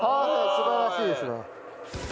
素晴らしいですね。